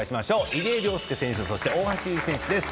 入江陵介選手そして大橋悠依選手です。